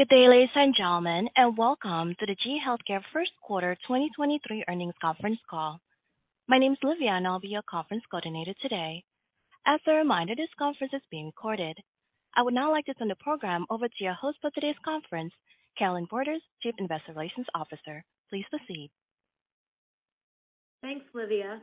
Good day, ladies and gentlemen, welcome to the GE HealthCare first quarter 2023 earnings conference call. My name is Livia, I'll be your conference coordinator today. As a reminder, this conference is being recorded. I would now like to turn the program over to your host for today's conference, Carolynne Borders, Chief Investor Relations Officer. Please proceed. Thanks, Livia.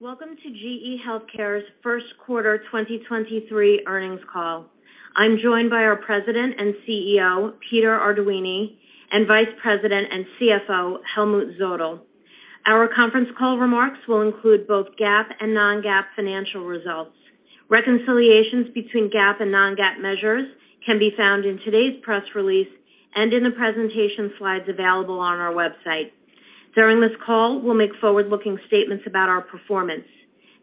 Welcome to GE HealthCare's first quarter 2023 earnings call. I'm joined by our President and CEO, Peter Arduini, and Vice President and CFO, Helmut Zodl. Our conference call remarks will include both GAAP and non-GAAP financial results. Reconciliations between GAAP and non-GAAP measures can be found in today's press release and in the presentation slides available on our website. During this call, we'll make forward-looking statements about our performance.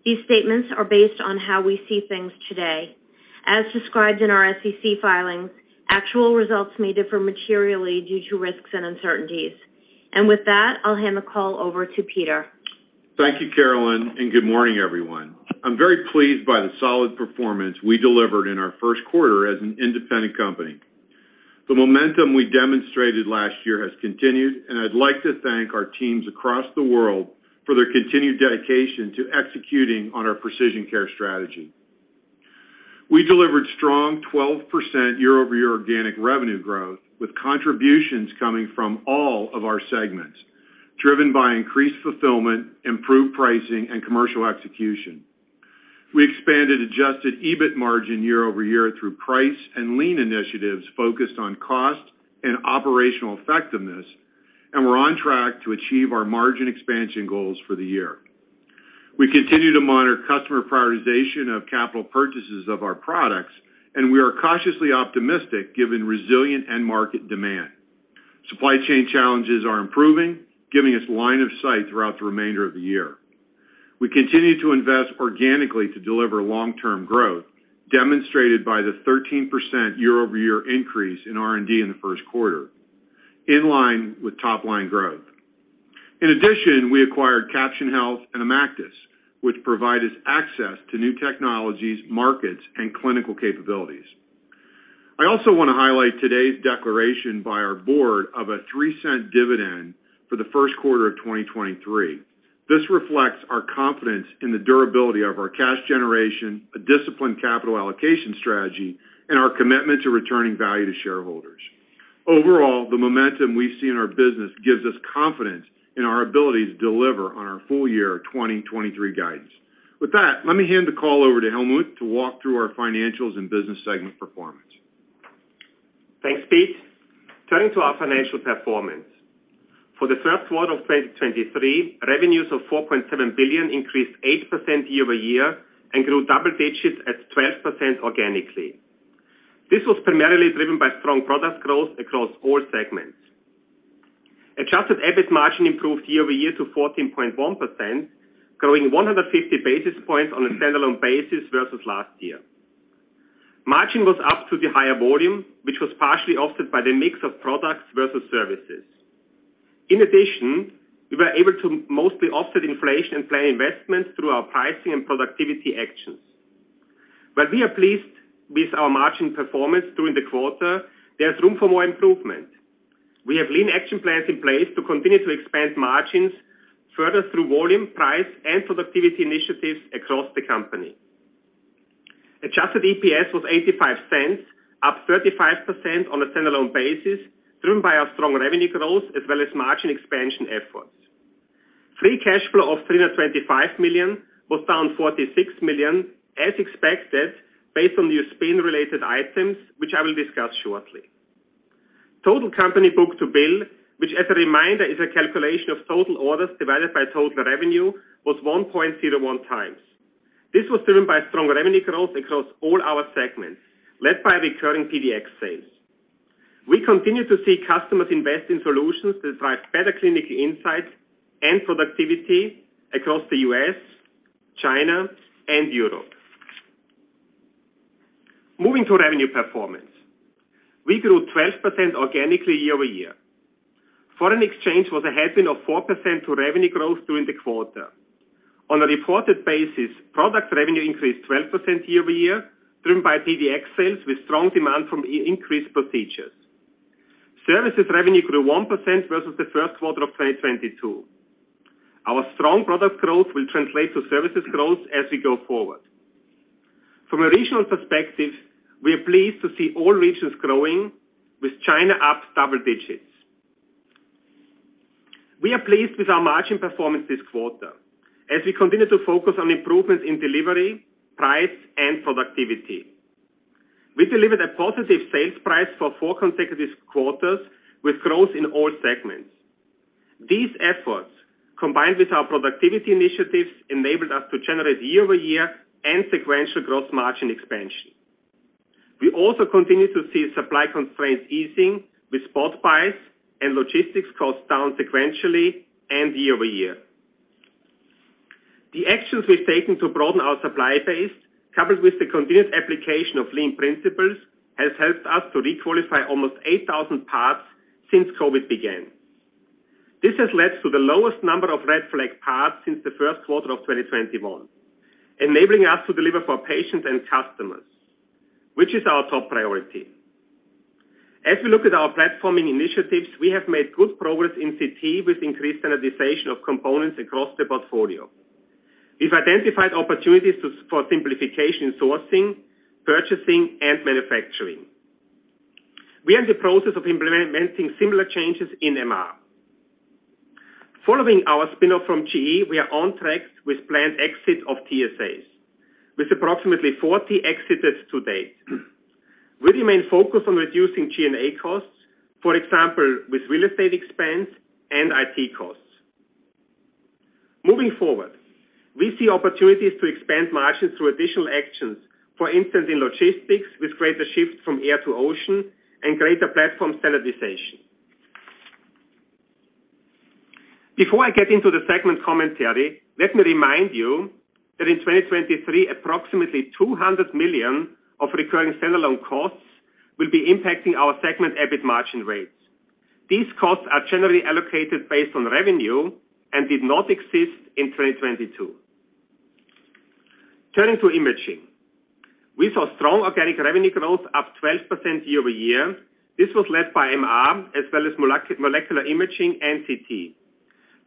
These statements are based on how we see things today. As described in our SEC filings, actual results may differ materially due to risks and uncertainties. With that, I'll hand the call over to Peter. Thank you, Carolynne. Good morning, everyone. I'm very pleased by the solid performance we delivered in our first quarter as an independent company. The momentum we demonstrated last year has continued. I'd like to thank our teams across the world for their continued dedication to executing on our precision care strategy. We delivered strong 12% year-over-year organic revenue growth, with contributions coming from all of our segments, driven by increased fulfillment, improved pricing, and commercial execution. We expanded adjusted EBIT margin year-over-year through price and lean initiatives focused on cost and operational effectiveness. We're on track to achieve our margin expansion goals for the year. We continue to monitor customer prioritization of capital purchases of our products. We are cautiously optimistic given resilient end market demand. Supply chain challenges are improving, giving us line of sight throughout the remainder of the year. We continue to invest organically to deliver long-term growth, demonstrated by the 13% year-over-year increase in R&D in the first quarter, in line with top line growth. In addition, we acquired Caption Health and IMACTIS, which provide us access to new technologies, markets, and clinical capabilities. I also want to highlight today's declaration by our board of a $0.03 dividend for the first quarter of 2023. This reflects our confidence in the durability of our cash generation, a disciplined capital allocation strategy, and our commitment to returning value to shareholders. Overall, the momentum we see in our business gives us confidence in our ability to deliver on our full year 2023 guidance. With that, let me hand the call over to Helmut to walk through our financials and business segment performance. Thanks, Pete. Turning to our financial performance. For the first quarter of 2023, revenues of $4.7 billion increased 8% year-over-year and grew double digits at 12% organically. This was primarily driven by strong product growth across all segments. Adjusted EBIT margin improved year-over-year to 14.1%, growing 150 basis points on a standalone basis versus last year. Margin was up to the higher volume, which was partially offset by the mix of products versus services. In addition, we were able to mostly offset inflation and plan investments through our pricing and productivity actions. While we are pleased with our margin performance during the quarter, there's room for more improvement. We have lean action plans in place to continue to expand margins further through volume, price, and productivity initiatives across the company. Adjusted EPS was $0.85, up 35% on a standalone basis, driven by our strong revenue growth as well as margin expansion efforts. Free cash flow of $325 million was down $46 million, as expected, based on the spin-related items which I will discuss shortly. Total company book to bill, which as a reminder, is a calculation of total orders divided by total revenue, was 1.01x. This was driven by strong revenue growth across all our segments, led by recurring PDX sales. We continue to see customers invest in solutions that drive better clinical insight and productivity across the U.S., China, and Europe. Moving to revenue performance. We grew 12% organically year-over-year. Foreign exchange was a headwind of 4% to revenue growth during the quarter. On a reported basis, product revenue increased 12% year-over-year, driven by PDX sales with strong demand from increased procedures. Services revenue grew 1% versus the first quarter of 2022. Our strong product growth will translate to services growth as we go forward. From a regional perspective, we are pleased to see all regions growing, with China up double digits. We are pleased with our margin performance this quarter as we continue to focus on improvements in delivery, price, and productivity. We delivered a positive sales price for four consecutive quarters with growth in all segments. These efforts, combined with our productivity initiatives, enabled us to generate year-over-year and sequential growth margin expansion. We also continue to see supply constraints easing with spot buys and logistics costs down sequentially and year-over-year. The actions we've taken to broaden our supply base, coupled with the continued application of lean principles, has helped us to re-qualify almost 8,000 parts since COVID began. This has led to the lowest number of red flag parts since the first quarter of 2021, enabling us to deliver for patients and customers, which is our top priority. As we look at our platforming initiatives, we have made good progress in CT with increased standardization of components across the portfolio. We've identified opportunities for simplification in sourcing, purchasing, and manufacturing. We are in the process of implementing similar changes in MR. Following our spin-off from GE, we are on track with planned exit of TSAs, with approximately 40 exited to date. We remain focused on reducing G&A costs, for example, with real estate expense and IT costs. Moving forward, we see opportunities to expand margins through additional actions, for instance, in logistics with greater shift from air to ocean and greater platform standardization. Before I get into the segment commentary, let me remind you that in 2023, approximately $200 million of recurring standalone costs will be impacting our segment EBIT margin rates. These costs are generally allocated based on revenue and did not exist in 2022. Turning to imaging. We saw strong organic revenue growth up 12% year-over-year. This was led by MR as well as molecular imaging and CT,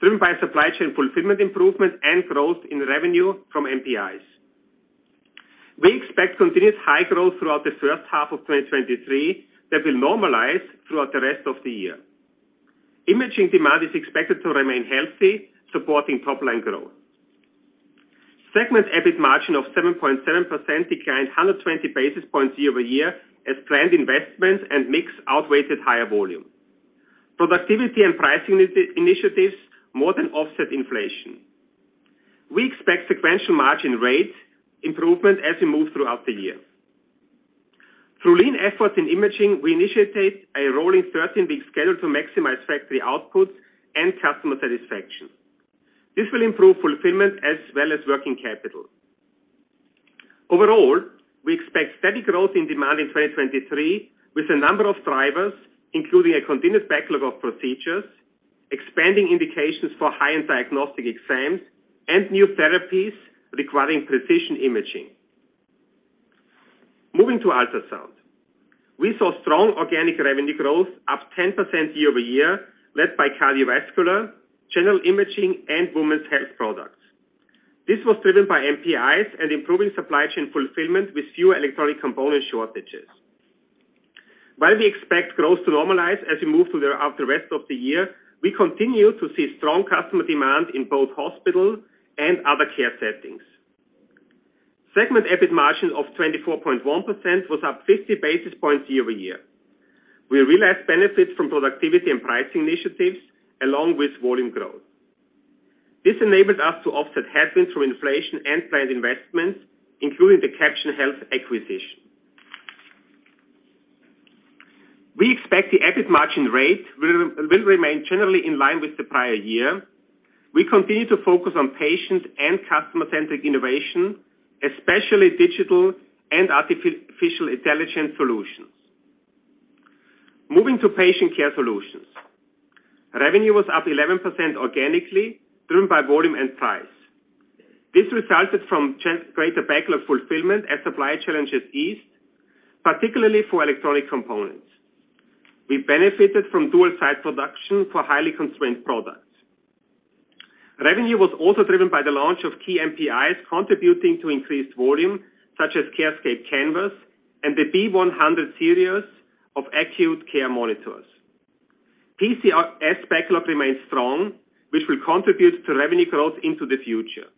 driven by supply chain fulfillment improvement and growth in revenue from MPIs. We expect continued high growth throughout the first half of 2023 that will normalize throughout the rest of the year. Imaging demand is expected to remain healthy, supporting top line growth. Segment EBIT margin of 7.7% declined 120 basis points year-over-year as planned investments and mix outweighed higher volume. Productivity and pricing initiatives more than offset inflation. We expect sequential margin rate improvement as we move throughout the year. Through lean efforts in imaging, we initiate a rolling 13-week schedule to maximize factory output and customer satisfaction. This will improve fulfillment as well as working capital. Overall, we expect steady growth in demand in 2023 with a number of drivers, including a continued backlog of procedures, expanding indications for high-end diagnostic exams, and new therapies requiring precision imaging. Moving to ultrasound. We saw strong organic revenue growth up 10% year-over-year, led by cardiovascular, general imaging, and women's health products. This was driven by MPIs and improving supply chain fulfillment with fewer electronic component shortages. While we expect growth to normalize as we move through the rest of the year, we continue to see strong customer demand in both hospital and other care settings. Segment EBIT margin of 24.1% was up 50 basis points year-over-year. We realized benefits from productivity and pricing initiatives along with volume growth. This enabled us to offset headwinds from inflation and planned investments, including the Caption Health acquisition. We expect the EBIT margin rate will remain generally in line with the prior year. We continue to focus on patient and customer-centric innovation, especially digital and artificial intelligence solutions. Moving to patient care solutions. Revenue was up 11% organically, driven by volume and price. This resulted from greater backlog fulfillment as supply challenges eased, particularly for electronic components. We benefited from dual site production for highly constrained products. Revenue was also driven by the launch of key MPIs contributing to increased volume, such as CARESCAPE Canvas and the B100 Series of acute care monitors. PCS backlog remains strong, which will contribute to revenue growth into the future.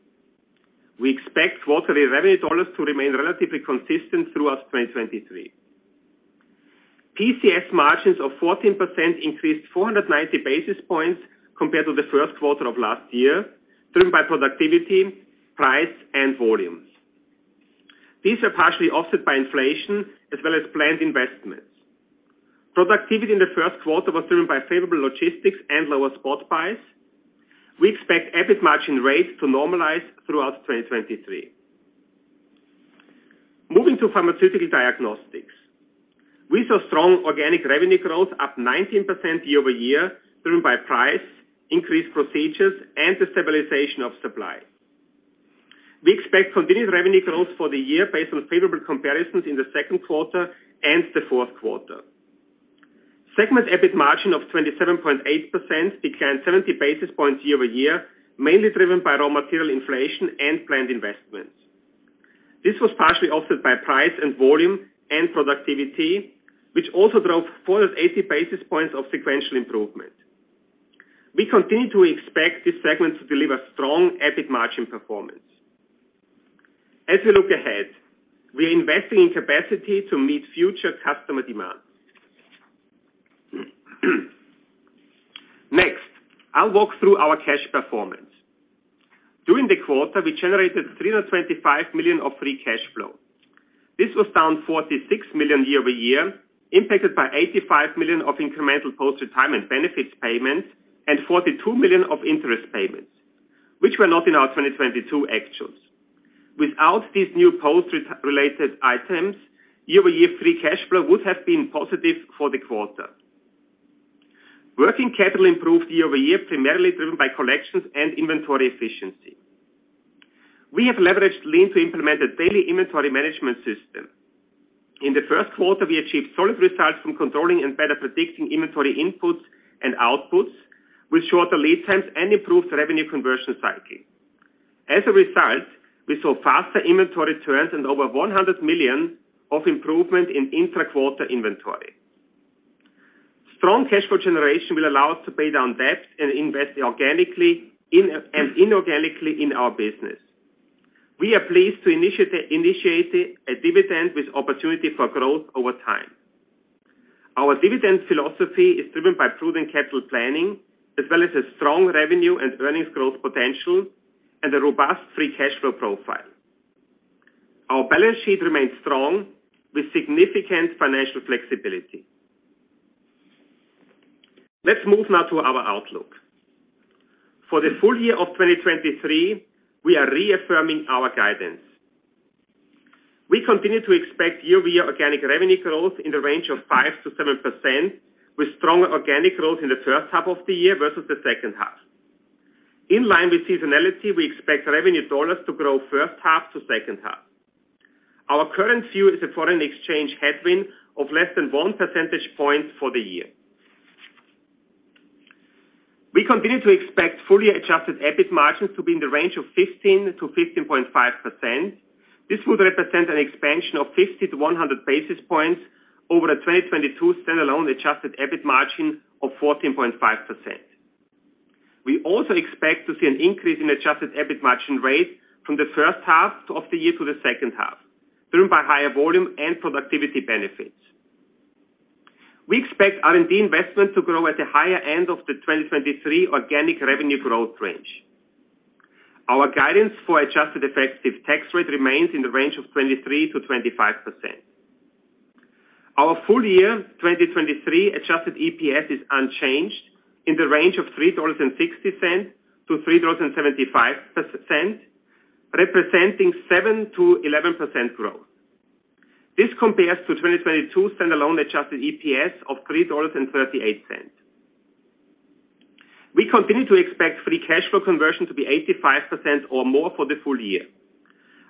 We expect quarterly revenue dollars to remain relatively consistent throughout 2023. PCS margins of 14% increased 490 basis points compared to the first quarter of last year, driven by productivity, price, and volumes. These are partially offset by inflation as well as planned investments. Productivity in the first quarter was driven by favorable logistics and lower spot buys. We expect EBIT margin rates to normalize throughout 2023. Moving to pharmaceutical diagnostics. We saw strong organic revenue growth up 19% year-over-year, driven by price, increased procedures, and the stabilization of supply. We expect continued revenue growth for the year based on favorable comparisons in the second quarter and the fourth quarter. Segment EBIT margin of 27.8% declined 70 basis points year-over-year, mainly driven by raw material inflation and planned investments. This was partially offset by price and volume and productivity, which also drove 480 basis points of sequential improvement. We continue to expect this segment to deliver strong EBIT margin performance. As we look ahead, we are investing in capacity to meet future customer demands. Next, I'll walk through our cash performance. During the quarter, we generated $325 million of free cash flow. This was down $46 million year-over-year, impacted by $85 million of incremental post-retirement benefits payments and $42 million of interest payments, which were not in our 2022 actions. Without these new post re-related items, year-over-year free cash flow would have been positive for the quarter. Working capital improved year-over-year, primarily driven by collections and inventory efficiency. We have leveraged lean to implement a daily inventory management system. In the first quarter, we achieved solid results from controlling and better predicting inventory inputs and outputs with shorter lead times and improved revenue conversion cycle. As a result, we saw faster inventory turns and over $100 million of improvement in intra-quarter inventory. Strong cash flow generation will allow us to pay down debt and invest organically in and inorganically in our business. We are pleased to initiate a dividend with opportunity for growth over time. Our dividend philosophy is driven by proven capital planning, as well as a strong revenue and earnings growth potential and a robust free cash flow profile. Our balance sheet remains strong with significant financial flexibility. Let's move now to our outlook. For the full year of 2023, we are reaffirming our guidance. We continue to expect year-over-year organic revenue growth in the range of 5%-7%, with stronger organic growth in the first half of the year versus the second half. In line with seasonality, we expect revenue dollars to grow first half to second half. Our current view is a foreign exchange headwind of less than one percentage point for the year. We continue to expect fully adjusted EBIT margins to be in the range of 15%-15.5%. This would represent an expansion of 50-100 basis points over a 2022 stand-alone adjusted EBIT margin of 14.5%. We also expect to see an increase in adjusted EBIT margin rate from the first half of the year to the second half, driven by higher volume and productivity benefits. We expect R&D investment to grow at the higher end of the 2023 organic revenue growth range. Our guidance for adjusted effective tax rate remains in the range of 23%-25%. Our full year 2023 adjusted EPS is unchanged in the range of $3.60-$3.75 percent, representing 7%-11% growth. This compares to 2022 stand-alone adjusted EPS of $3.38. We continue to expect free cash flow conversion to be 85% or more for the full year.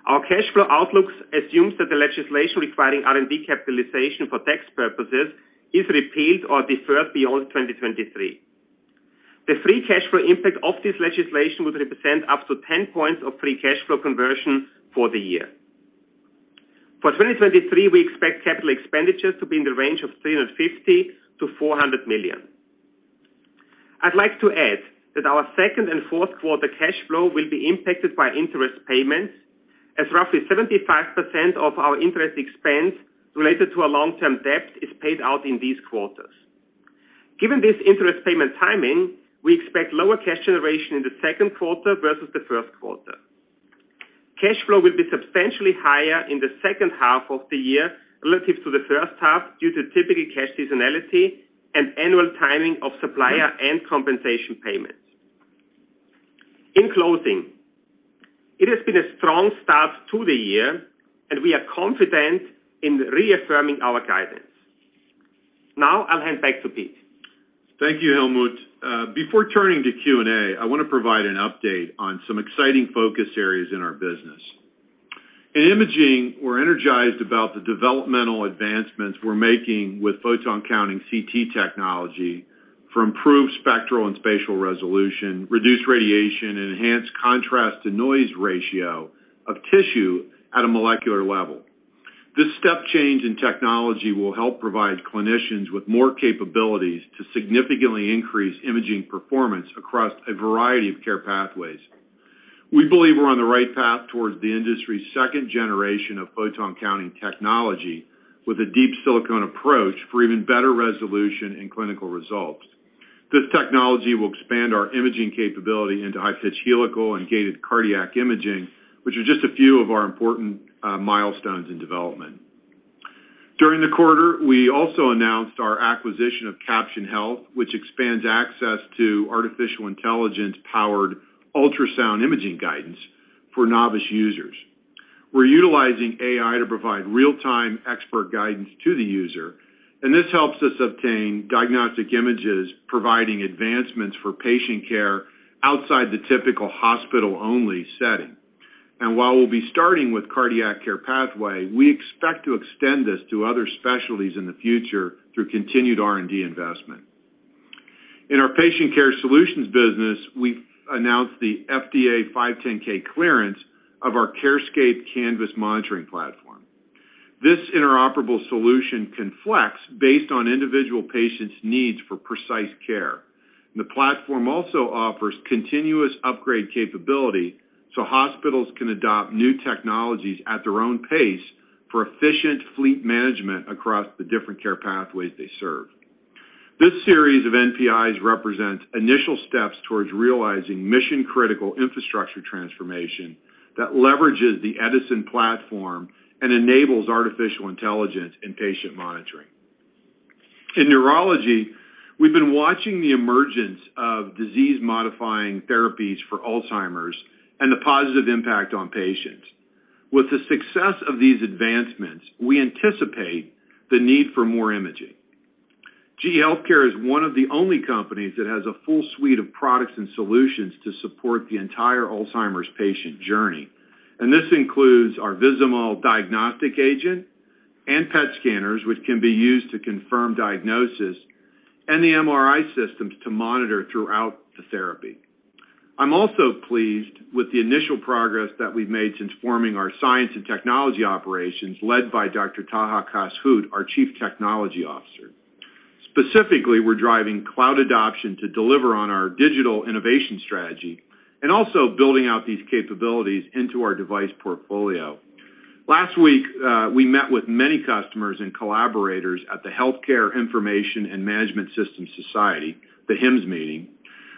Our cash flow outlook assumes that the legislation requiring R&D capitalization for tax purposes is repealed or deferred beyond 2023. The free cash flow impact of this legislation would represent up to 10 points of free cash flow conversion for the year. For 2023, we expect CapEx to be in the range of $350 million-$400 million. I'd like to add that our second and fourth quarter cash flow will be impacted by interest payments, as roughly 75% of our interest expense related to our long-term debt is paid out in these quarters. Given this interest payment timing, we expect lower cash generation in the second quarter versus the first quarter. Cash flow will be substantially higher in the second half of the year relative to the first half due to typical cash seasonality and annual timing of supplier and compensation payments. In closing, it has been a strong start to the year and we are confident in reaffirming our guidance. Now I'll hand back to Pete. Thank you, Helmut. Before turning to Q&A, I want to provide an update on some exciting focus areas in our business. In imaging, we're energized about the developmental advancements we're making with photon counting CT technology for improved spectral and spatial resolution, reduced radiation, and enhanced contrast to noise ratio of tissue at a molecular level. This step change in technology will help provide clinicians with more capabilities to significantly increase imaging performance across a variety of care pathways. We believe we're on the right path towards the industry's second generation of photon counting technology with a Deep Silicon approach for even better resolution and clinical results. This technology will expand our imaging capability into high-pitch helical and gated cardiac imaging, which are just a few of our important milestones in development. During the quarter, we also announced our acquisition of Caption Health, which expands access to artificial intelligence-powered ultrasound imaging guidance for novice users. We're utilizing AI to provide real-time expert guidance to the user, this helps us obtain diagnostic images, providing advancements for patient care outside the typical hospital-only setting. While we'll be starting with cardiac care pathway, we expect to extend this to other specialties in the future through continued R&D investment. In our patient care solutions business, we've announced the FDA 510(k) clearance of our CARESCAPE Canvas monitoring platform. This interoperable solution can flex based on individual patients' needs for precision care. The platform also offers continuous upgrade capability so hospitals can adopt new technologies at their own pace for efficient fleet management across the different care pathways they serve. This series of NPIs represent initial steps towards realizing mission-critical infrastructure transformation that leverages the Edison platform and enables artificial intelligence in patient monitoring. In neurology, we've been watching the emergence of disease-modifying therapies for Alzheimer's and the positive impact on patients. With the success of these advancements, we anticipate the need for more imaging. GE HealthCare is one of the only companies that has a full suite of products and solutions to support the entire Alzheimer's patient journey. This includes our Vizamyl diagnostic agent and PET scanners, which can be used to confirm diagnosis, and the MRI systems to monitor throughout the therapy. I'm also pleased with the initial progress that we've made since forming our science and technology operations, led by Dr. Taha Kass-Hout, our Chief Technology Officer. Specifically, we're driving cloud adoption to deliver on our digital innovation strategy and also building out these capabilities into our device portfolio. Last week, we met with many customers and collaborators at the Healthcare Information and Management Systems Society, the HIMSS meeting,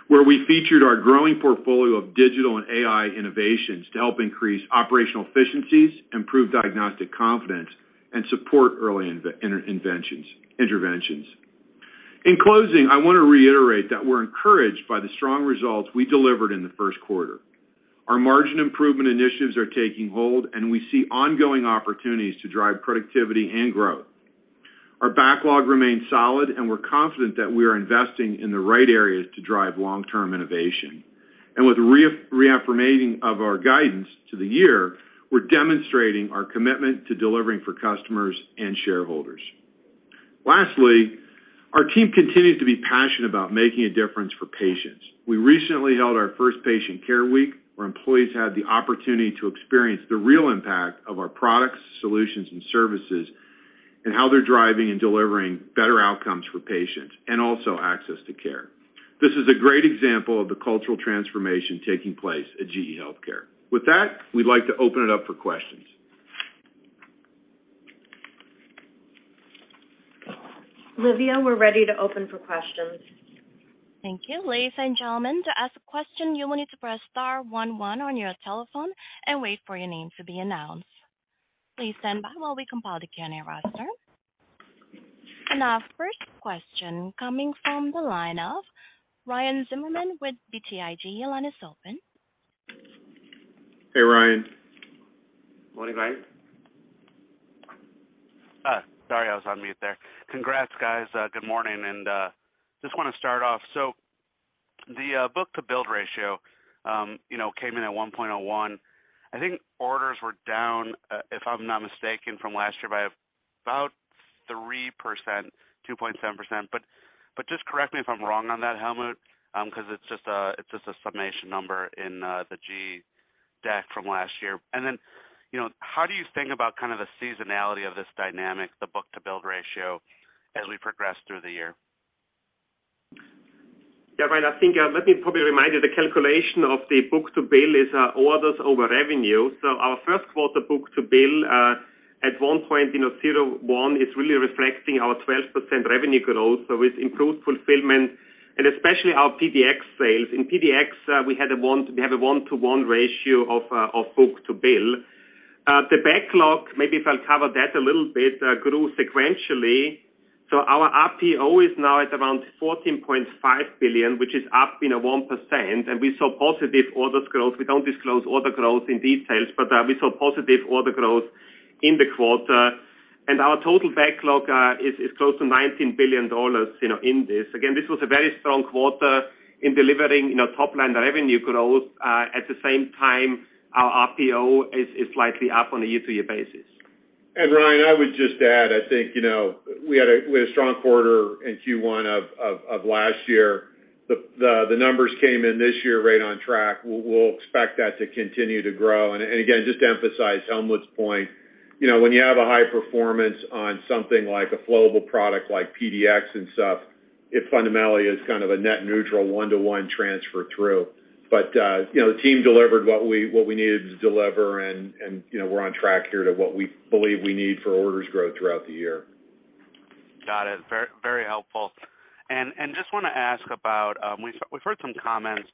where we featured our growing portfolio of digital and AI innovations to help increase operational efficiencies, improve diagnostic confidence, and support early interventions. In closing, I want to reiterate that we're encouraged by the strong results we delivered in the first quarter. Our margin improvement initiatives are taking hold, we see ongoing opportunities to drive productivity and growth. Our backlog remains solid, we're confident that we are investing in the right areas to drive long-term innovation. With reaffirming of our guidance to the year, we're demonstrating our commitment to delivering for customers and shareholders. Lastly, our team continues to be passionate about making a difference for patients. We recently held our first patient care week, where employees had the opportunity to experience the real impact of our products, solutions, and services and how they're driving and delivering better outcomes for patients and also access to care. This is a great example of the cultural transformation taking place at GE HealthCare. We'd like to open it up for questions. Livia, we're ready to open for questions. Thank you. Ladies and gentlemen, to ask a question, you will need to press star one one on your telephone and wait for your name to be announced. Please stand by while we compile the Q&A roster. Our first question coming from the line of Ryan Zimmerman with BTIG. Your line is open. Hey, Ryan. Morning, Ryan. Sorry, I was on mute there. Congrats, guys. Good morning. Just want to start off. The book-to-bill ratio, you know, came in at 1.01. I think orders were down, if I'm not mistaken, from last year by about 3%, 2.7%. Just correct me if I'm wrong on that, Helmut, 'cause it's just a summation number in the GE deck from last year. Then, you know, how do you think about kind of the seasonality of this dynamic, the book-to-bill ratio, as we progress through the year? Yeah, Ryan, I think, let me probably remind you the calculation of the book-to-bill is orders over revenue. Our first quarter book-to-bill at 1.01 is really reflecting our 12% revenue growth. With improved fulfillment and especially our PDX sales. In PDX, we have a 1:1 ratio of book-to-bill. The backlog, maybe if I'll cover that a little bit, grew sequentially. Our RPO is now at around $14.5 billion, which is up, you know, 1%. We saw positive orders growth. We don't disclose order growth in details, but we saw positive order growth in the quarter. Our total backlog is close to $19 billion, you know, in this. This was a very strong quarter in delivering, you know, top-line revenue growth. At the same time, our RPO is slightly up on a year-to-year basis. Ryan, I would just add, I think, you know, we had a strong quarter in Q1 of last year. The numbers came in this year right on track. We'll expect that to continue to grow. Again, just to emphasize Helmut's point, you know, when you have a high performance on something like a flowable product like PDX and stuff, it fundamentally is kind of a net neutral one-to-one transfer through. You know, the team delivered what we needed to deliver and, you know, we're on track here to what we believe we need for orders growth throughout the year. Got it. Very, very helpful. Just wanna ask about We've heard some comments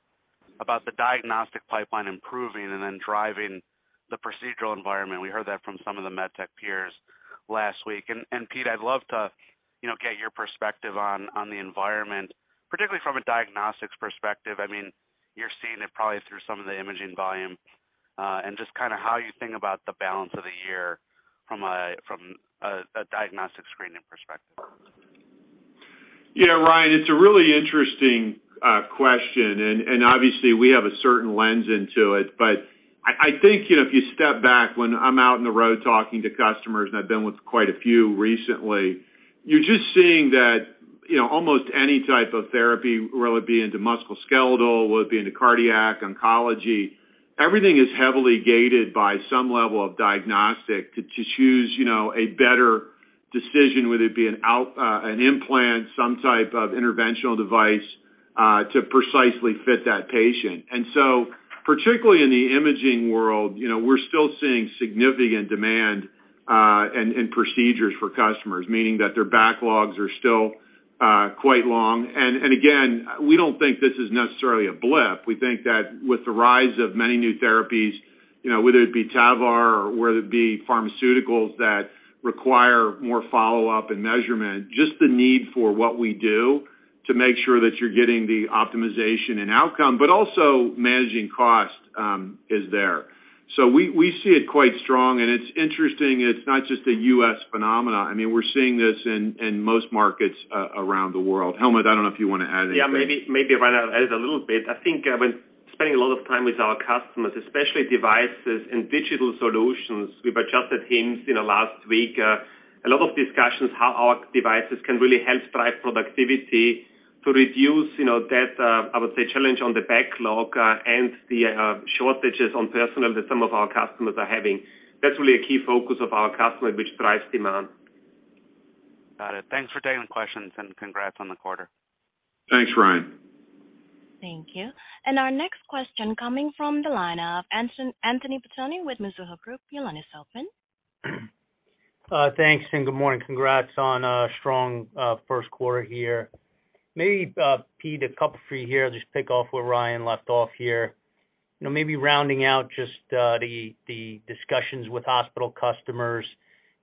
about the diagnostic pipeline improving and then driving the procedural environment. We heard that from some of the MedTech peers last week. Pete, I'd love to, you know, get your perspective on the environment, particularly from a diagnostics perspective. I mean, you're seeing it probably through some of the imaging volume, and just kind of how you think about the balance of the year from a diagnostic screening perspective. Yeah, Ryan, it's a really interesting question. Obviously, we have a certain lens into it. I think, you know, if you step back, when I'm out on the road talking to customers, and I've been with quite a few recently, you're just seeing that, you know, almost any type of therapy, whether it be into musculoskeletal, whether it be into cardiac, oncology, everything is heavily gated by some level of diagnostic to choose, you know, a better decision, whether it be an implant, some type of interventional device, to precisely fit that patient. Particularly in the imaging world, you know, we're still seeing significant demand, and procedures for customers, meaning that their backlogs are still quite long. Again, we don't think this is necessarily a blip. We think that with the rise of many new therapies, you know, whether it be TAVR or whether it be pharmaceuticals that require more follow-up and measurement, just the need for what we do to make sure that you're getting the optimization and outcome, but also managing cost, is there. We, we see it quite strong, and it's interesting, it's not just a U.S. phenomena. I mean, we're seeing this in most markets around the world. Helmut, I don't know if you wanna add anything? Yeah, maybe I wanna add a little bit. I think, when spending a lot of time with our customers, especially devices and digital solutions, we've adjusted hints in the last week. A lot of discussions how our devices can really help drive productivity to reduce, you know, that, I would say, challenge on the backlog, and the, shortages on personnel that some of our customers are having. That's really a key focus of our customer, which drives demand. Got it. Thanks for taking the questions, and congrats on the quarter. Thanks, Ryan. Thank you. Our next question coming from the line of Anthony Petrone with Mizuho Group. Your line is open. Thanks, and good morning. Congrats on a strong first quarter here. Maybe Pete, a couple for you here. I'll just pick off where Ryan left off here. You know, maybe rounding out just the discussions with hospital customers.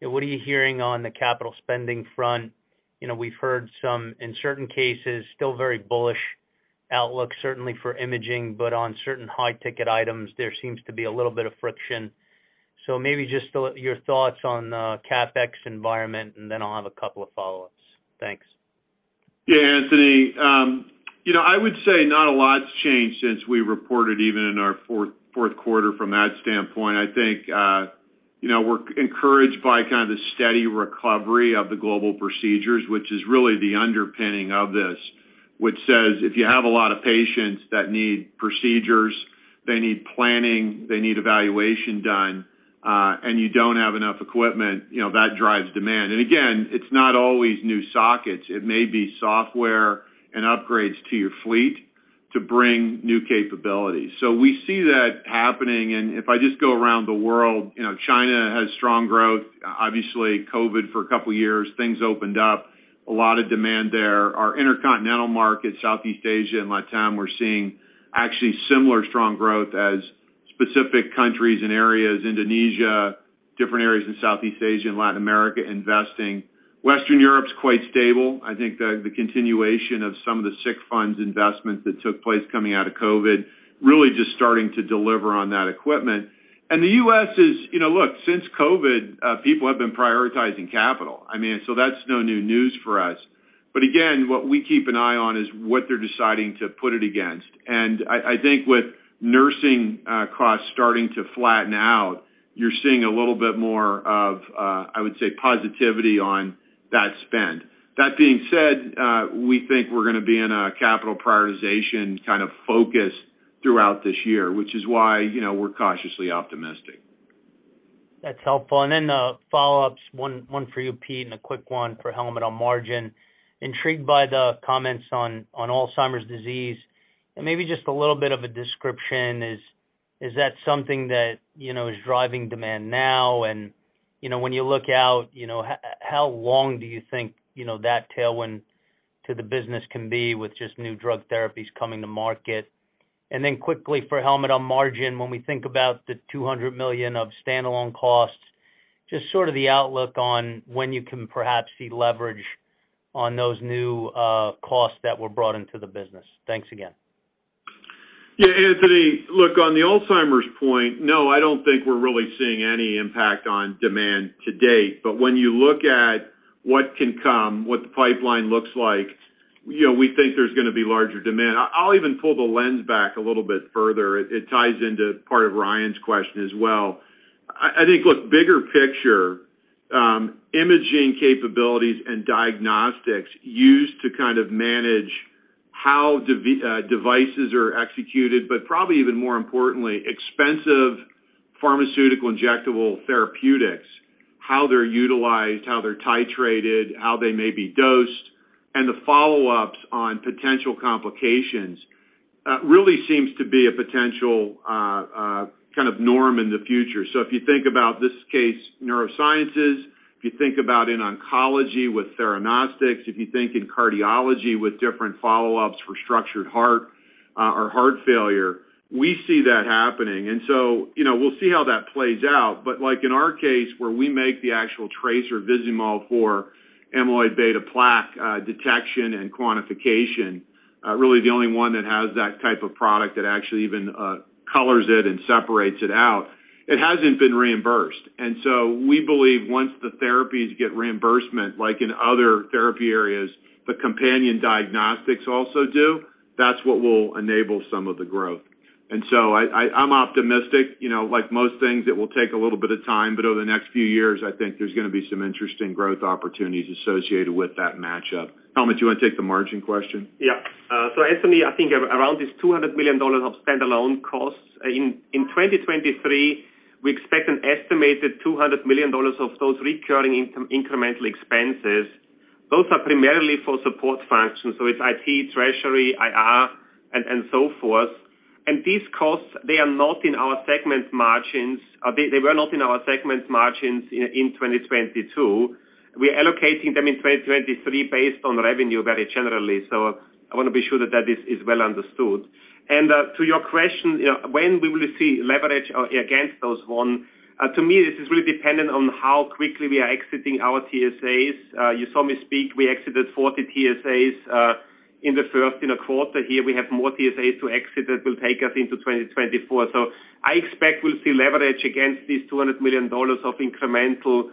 You know, what are you hearing on the capital spending front? You know, we've heard some, in certain cases, still very bullish outlook, certainly for imaging, but on certain high-ticket items, there seems to be a little bit of friction. Maybe just your thoughts on CapEx environment, and then I'll have a couple of follow-ups. Thanks. Yeah, Anthony. You know, I would say not a lot's changed since we reported even in our fourth quarter from that standpoint. I think, you know, we're encouraged by kind of the steady recovery of the global procedures, which is really the underpinning of this, which says, if you have a lot of patients that need procedures, they need planning, they need evaluation done, and you don't have enough equipment, you know, that drives demand. Again, it's not always new sockets. It may be software and upgrades to your fleet to bring new capabilities. We see that happening, and if I just go around the world, you know, China has strong growth. Obviously, COVID for 2 years, things opened up, a lot of demand there. Our intercontinental markets, Southeast Asia and Latin, we're seeing actually similar strong growth as specific countries and areas, Indonesia, different areas in Southeast Asia and Latin America investing. Western Europe's quite stable. I think the continuation of some of the sick funds investments that took place coming out of COVID, really just starting to deliver on that equipment. The US is. You know, look, since COVID, people have been prioritizing capital. I mean, that's no new news for us. Again, what we keep an eye on is what they're deciding to put it against. I think with nursing costs starting to flatten out, you're seeing a little bit more of, I would say, positivity on that spend. That being said, we think we're gonna be in a capital prioritization kind of focus throughout this year, which is why, you know, we're cautiously optimistic. That's helpful. Then, follow-ups, one for you, Pete, and a quick one for Helmut on margin. Intrigued by the comments on Alzheimer's disease, and maybe just a little bit of a description. Is that something that, you know, is driving demand now? You know, when you look out, you know, how long do you think, you know, that tailwind to the business can be with just new drug therapies coming to market? Quickly for Helmut on margin, when we think about the $200 million of standalone costs, just sort of the outlook on when you can perhaps see leverage on those new costs that were brought into the business. Thanks again. Yeah, Anthony, look, on the Alzheimer's point, no, I don't think we're really seeing any impact on demand to date. When you look at what can come, what the pipeline looks like, you know, we think there's going to be larger demand. I'll even pull the lens back a little bit further. It ties into part of Ryan's question as well. I think, look, bigger picture, imaging capabilities and diagnostics used to kind of manage how devices are executed, but probably even more importantly, expensive pharmaceutical injectable therapeutics, how they're utilized, how they're titrated, how they may be dosed, and the follow-ups on potential complications, really seems to be a potential kind of norm in the future. If you think about this case, neurosciences, if you think about in oncology with Theranostics, if you think in cardiology with different follow-ups for structured heart, or heart failure, we see that happening. You know, we'll see how that plays out. But like in our case, where we make the actual tracer Vizamyl for amyloid-beta plaque, detection and quantification, really the only one that has that type of product that actually even colors it and separates it out, it hasn't been reimbursed. We believe once the therapies get reimbursement, like in other therapy areas, the companion diagnostics also do, that's what will enable some of the growth. I'm optimistic. You know, like most things, it will take a little bit of time, but over the next few years, I think there's gonna be some interesting growth opportunities associated with that match up. Helmut, do you wanna take the margin question? Yeah. Anthony, I think around this $200 million of standalone costs, in 2023, we expect an estimated $200 million of those recurring incremental expenses. Those are primarily for support functions, so it's IT, treasury, IR, and so forth. These costs, they are not in our segment margins. They were not in our segment margins in 2022. We're allocating them in 2023 based on revenue very generally. I wanna be sure that that is well understood. To your question, you know, when we will see leverage against those one, to me this is really dependent on how quickly we are exiting our TSAs. You saw me speak, we exited 40 TSAs in the first, you know, quarter here. We have more TSAs to exit that will take us into 2024. I expect we'll see leverage against these $200 million of incremental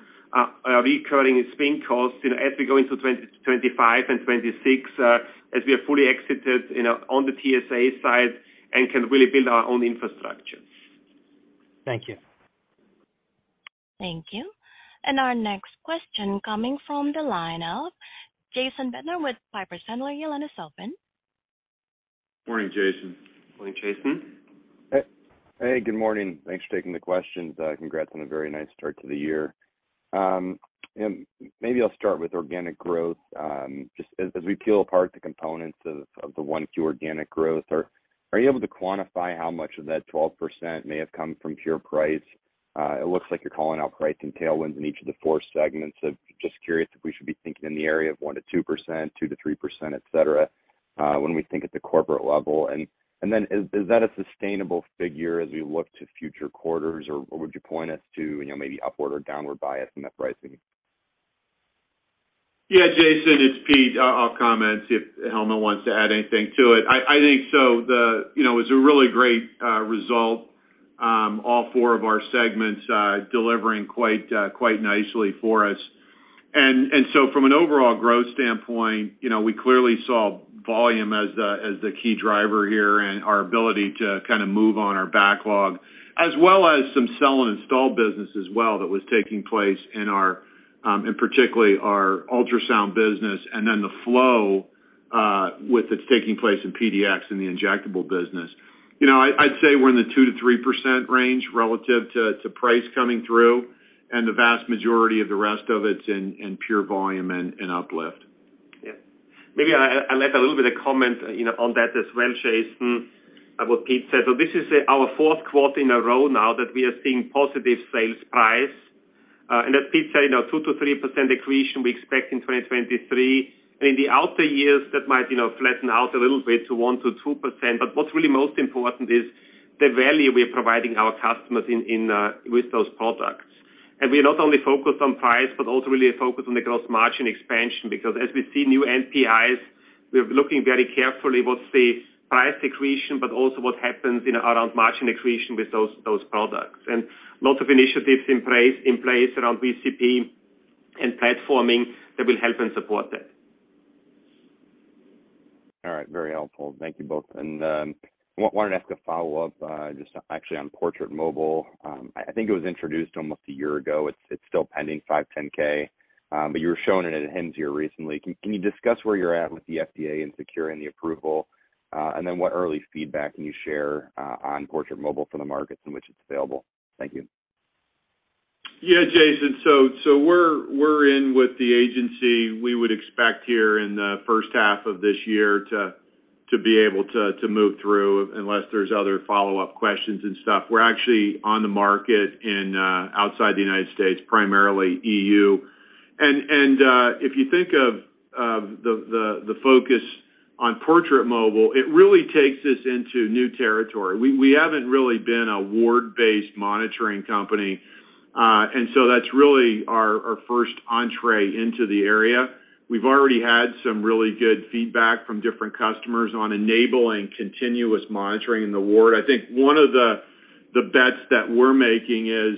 recurring spin costs, you know, as we go into 2025 and 2026, as we are fully exited, you know, on the TSA side and can really build our own infrastructure. Thank you. Thank you. Our next question coming from the line of Jason Bednar with Piper Sandler. Your line is open. Morning, Jason. Morning, Jason. Hey, good morning. Thanks for taking the questions. Congrats on a very nice start to the year. Maybe I'll start with organic growth. Just as we peel apart the components of the one, two organic growth, are you able to quantify how much of that 12% may have come from pure price? It looks like you're calling out price and tailwinds in each of the four segments. Just curious if we should be thinking in the area of 1%-2%, 2%-3%, et cetera, when we think at the corporate level. Then is that a sustainable figure as we look to future quarters, or would you point us to, you know, maybe upward or downward bias in that pricing? Jason, it's Pete. I'll comment, see if Helmut wants to add anything to it. I think you know, it was a really great result, all four of our segments delivering quite nicely for us. From an overall growth standpoint, you know, we clearly saw volume as the key driver here and our ability to kind of move on our backlog, as well as some sell and install business as well that was taking place in our in particularly our ultrasound business and then the flow with it's taking place in PDX in the injectable business. You know, I'd say we're in the 2%-3% range relative to price coming through and the vast majority of the rest of it's in pure volume and uplift. Yeah. Maybe I left a little bit of comment, you know, on that as well, Jason, what Pete said. This is our fourth quarter in a row now that we are seeing positive sales price. As Pete said, you know, 2%-3% accretion we expect in 2023. In the outer years, that might, you know, flatten out a little bit to 1%-2%. What's really most important is the value we are providing our customers in with those products. We not only focus on price, but also really focus on the gross margin expansion because as we see new NPIs, we're looking very carefully what's the price accretion, but also what happens, you know, around margin accretion with those products. Lots of initiatives in place around VCP and platforming that will help and support that. All right. Very helpful. Thank you both. Wanted to ask a follow-up just actually on Portrait Mobile. I think it was introduced almost a year ago. It's still pending 510(k), but you were showing it at HIMSS here recently. Can you discuss where you're at with the FDA in securing the approval? What early feedback can you share on Portrait Mobile for the markets in which it's available? Thank you. Yeah, Jason. We're in with the agency. We would expect here in the first half of this year to be able to move through unless there's other follow-up questions and stuff. We're actually on the market in outside the United States, primarily EU. If you think of the focus on Portrait Mobile, it really takes us into new territory. We haven't really been a ward-based monitoring company, so that's really our first entree into the area. We've already had some really good feedback from different customers on enabling continuous monitoring in the ward. I think one of the bets that we're making is,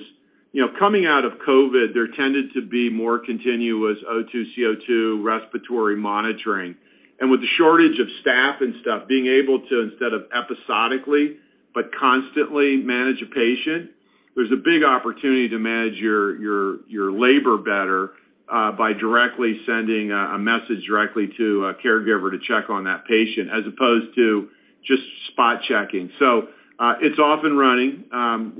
you know, coming out of COVID, there tended to be more continuous O2, CO2 respiratory monitoring. With the shortage of staff and stuff, being able to, instead of episodically but constantly manage a patient, there's a big opportunity to manage your, your labor better by directly sending a message directly to a caregiver to check on that patient as opposed to just spot checking. It's off and running.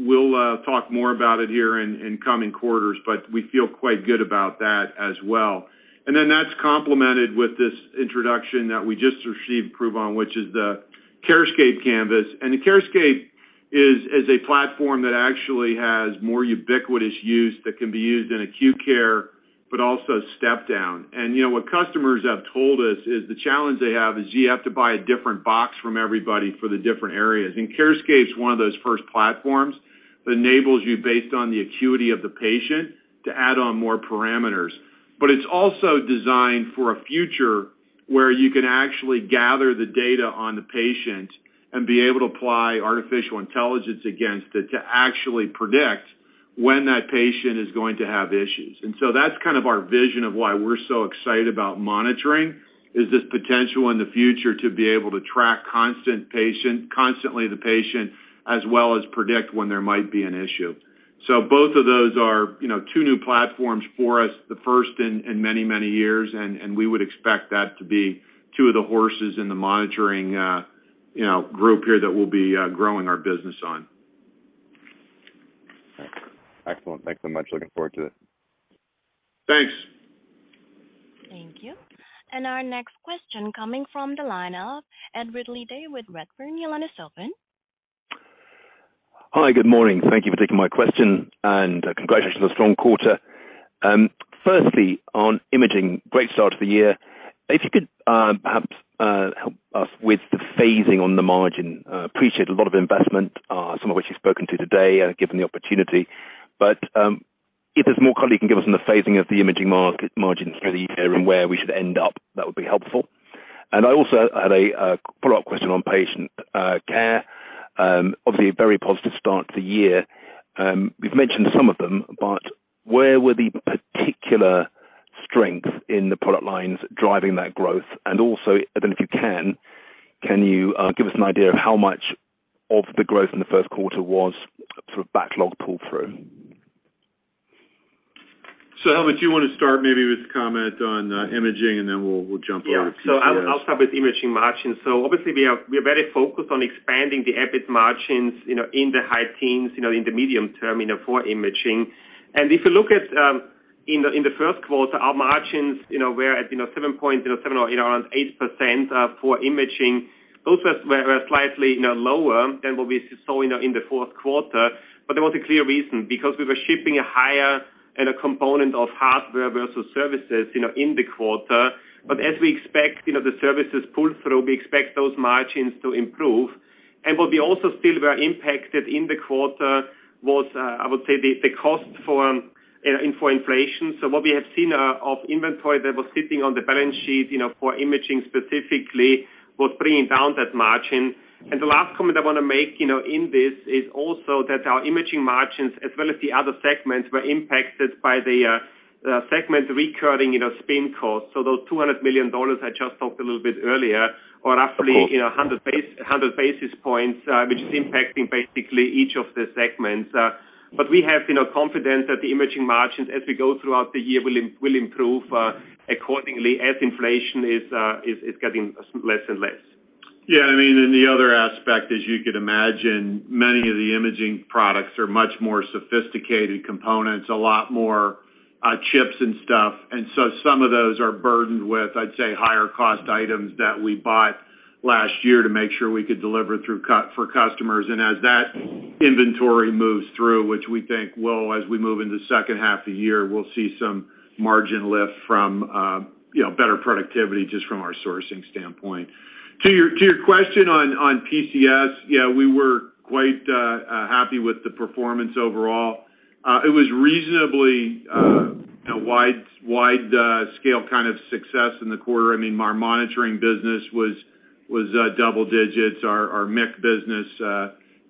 We'll talk more about it here in coming quarters, but we feel quite good about that as well. That's complemented with this introduction that we just received approval on, which is the CARESCAPE Canvas. The CARESCAPE is a platform that actually has more ubiquitous use that can be used in acute care, but also step down. You know, what customers have told us is the challenge they have is you have to buy a different box from everybody for the different areas. CARESCAPE's one of those first platforms that enables you based on the acuity of the patient to add on more parameters. It's also designed for a future where you can actually gather the data on the patient and be able to apply artificial intelligence against it to actually predict when that patient is going to have issues. That's kind of our vision of why we're so excited about monitoring, is this potential in the future to be able to track constantly the patient as well as predict when there might be an issue. Both of those are, you know, two new platforms for us, the first in many, many years, and we would expect that to be two of the horses in the monitoring, you know, group here that we'll be growing our business on. Excellent. Thanks so much. Looking forward to it. Thanks. Thank you. Our next question coming from the line of Ed Ridley-Day with Redburn. Your line is open. Hi, good morning. Thank Thank you for taking my question and congratulations on a strong quarter. Firstly, on imaging, great start to the year. If you could, perhaps, help us with the phasing on the margin. Appreciate a lot of investment, some of which you've spoken to today, given the opportunity. If there's more color you can give us on the phasing of the imaging margins for the year and where we should end up, that would be helpful. I also had a follow-up question on patient care. Obviously a very positive start to the year. You've mentioned some of them, but where were the particular strengths in the product lines driving that growth? If you can give us an idea of how much of the growth in the first quarter was sort of backlog pull-through? Helmut, you want to start maybe with comment on imaging, and then we'll jump over to PCS? Yeah. I'll start with imaging margins. Obviously we are very focused on expanding the EBIT margins, you know, in the high teens, you know, in the medium term, you know, for imaging. If you look at, in the first quarter, our margins, you know, were at, you know, 7.7 or, you know, around 8% for imaging. Those were slightly, you know, lower than what we saw, you know, in the fourth quarter, there was a clear reason because we were shipping a higher and a component of hardware versus services, you know, in the quarter. As we expect, you know, the services pull through, we expect those margins to improve. What we also still were impacted in the quarter was, I would say the cost for inflation. What we have seen of inventory that was sitting on the balance sheet, you know, for imaging specifically was bringing down that margin. The last comment I wanna make, you know, in this is also that our imaging margins as well as the other segments were impacted by the segment recurring, you know, spin costs. Those $200 million I just talked a little bit earlier are roughly, you know, 100 basis points, which is impacting basically each of the segments. We have, you know, confidence that the imaging margins as we go throughout the year will improve, accordingly as inflation is getting less and less. Yeah, I mean, the other aspect, as you could imagine, many of the imaging products are much more sophisticated components, a lot more chips and stuff. Some of those are burdened with, I'd say, higher cost items that we bought last year to make sure we could deliver for customers. As that inventory moves through, which we think will, as we move into second half of the year, we'll see some margin lift from, you know, better productivity just from our sourcing standpoint. To your question on PCS, yeah, we were quite happy with the performance overall. It was reasonably, you know, wide scale kind of success in the quarter. I mean, our monitoring business was double digits. Our MIC business,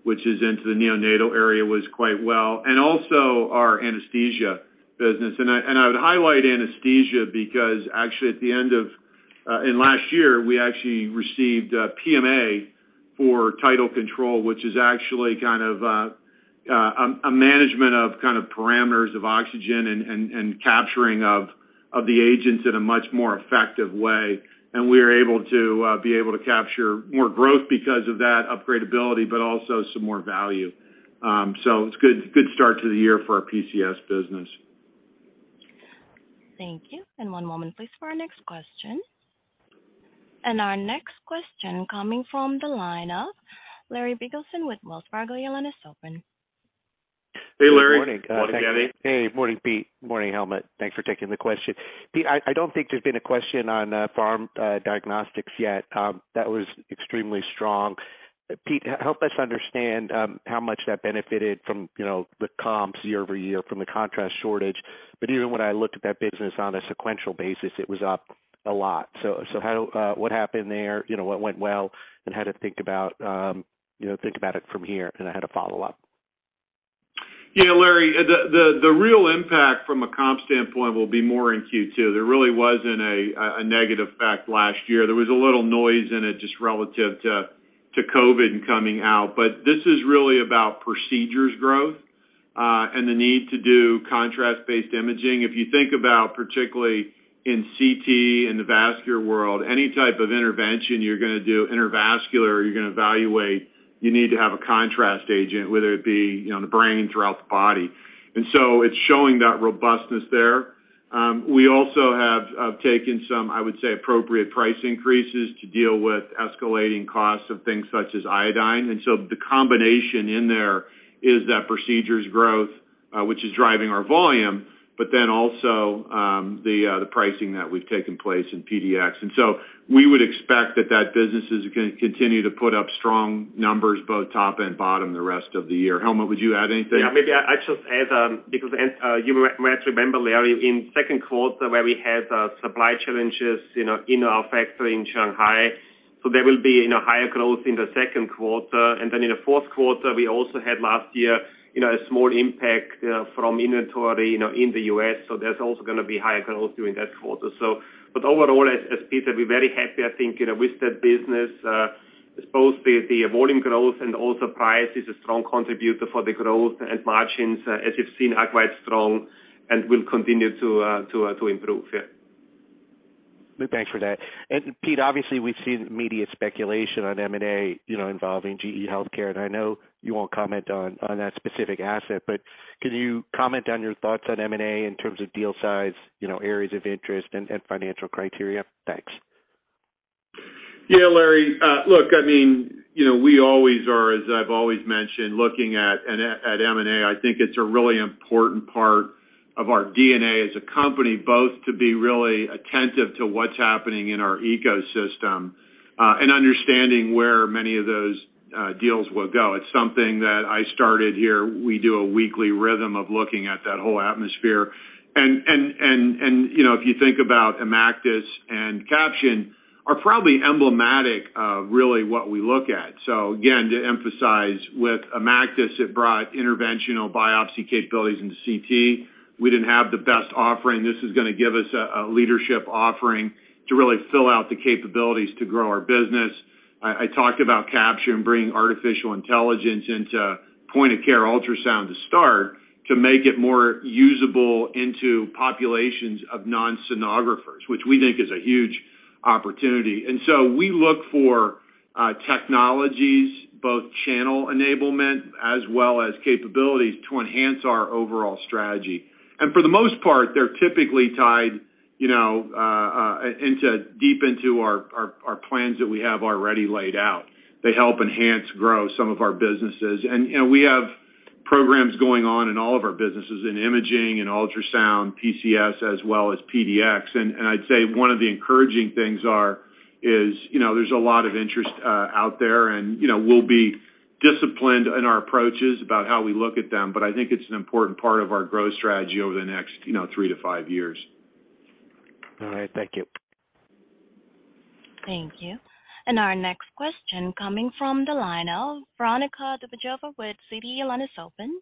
which is into the neonatal area, was quite well, and also our anesthesia business. I would highlight anesthesia because actually at the end of last year, we actually received PMA for tidal control, which is actually kind of a management of kind of parameters of oxygen and capturing of the agents in a much more effective way. We are able to be able to capture more growth because of that upgrade ability, but also some more value. It's good start to the year for our PCS business. Thank you. One moment please for our next question. Our next question coming from the line of Larry Biegelsen with Wells Fargo. Your line is open. Hey, Larry. Good morning. Morning, Larry. Hey, morning, Pete. Morning, Helmut. Thanks for taking the question. Pete, I don't think there's been a question on pharm diagnostics yet. That was extremely strong. Pete, help us understand, you know, how much that benefited from the comps year-over-year from the contrast shortage. Even when I looked at that business on a sequential basis, it was up a lot. How, what happened there? You know, what went well, how to think about, you know, think about it from here? I had a follow-up. Yeah, Larry, the real impact from a comp standpoint will be more in Q2. There really wasn't a negative effect last year. There was a little noise in it just relative to COVID coming out. This is really about procedures growth and the need to do contrast-based imaging. If you think about, particularly in CT and the vascular world, any type of intervention you're gonna do intervascular or you're gonna evaluate, you need to have a contrast agent, whether it be, you know, in the brain, throughout the body. It's showing that robustness there. We also have taken some, I would say, appropriate price increases to deal with escalating costs of things such as iodine. The combination in there is that procedures growth, which is driving our volume, but then also, the pricing that we've taken place in PDX. We would expect that that business is continue to put up strong numbers both top and bottom the rest of the year. Helmut, would you add anything? Yeah, maybe I just add, because you might remember, Larry, in second quarter where we had supply challenges, you know, in our factory in Shanghai, so there will be, you know, higher growth in the second quarter. In the fourth quarter, we also had last year, you know, a small impact, you know, from inventory, you know, in the U.S., so there's also gonna be higher growth during that quarter. Overall, as Pete said, we're very happy, I think, you know, with that business. I suppose the volume growth and also price is a strong contributor for the growth. Margins, as you've seen, are quite strong and will continue to improve. Yeah. Thanks for that. Pete, obviously, we've seen immediate speculation on M&A, you know, involving GE HealthCare, and I know you won't comment on that specific asset. Could you comment on your thoughts on M&A in terms of deal size, you know, areas of interest and financial criteria? Thanks. Yeah, Larry. look, I mean, you know, we always are, as I've always mentioned, looking at M&A. I think it's a really important part of our DNA as a company, both to be really attentive to what's happening in our ecosystem, and understanding where many of those deals will go. It's something that I started here. We do a weekly rhythm of looking at that whole atmosphere. you know, if you think about Imactis and Caption are probably emblematic of really what we look at. Again, to emphasize, with Imactis, it brought interventional biopsy capabilities into CT. We didn't have the best offering. This is gonna give us a leadership offering to really fill out the capabilities to grow our business. I talked about Caption bringing artificial intelligence into point of care ultrasound to start to make it more usable into populations of non-sonographers, which we think is a huge opportunity. We look for technologies, both channel enablement as well as capabilities to enhance our overall strategy. For the most part, they're typically tied, you know, deep into our plans that we have already laid out. They help enhance growth, some of our businesses. You know, we have programs going on in all of our businesses, in imaging and ultrasound, PCS, as well as PDX. I'd say one of the encouraging things is, you know, there's a lot of interest out there, and, you know, we'll be disciplined in our approaches about how we look at them. I think it's an important part of our growth strategy over the next, you know, three to five years. All right. Thank you. Thank you. Our next question coming from the line of Veronika Dubajova with Citi. Your line is open.